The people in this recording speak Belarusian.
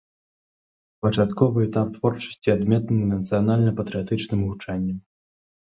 Пачатковы этап творчасці адметны нацыянальна-патрыятычным гучаннем.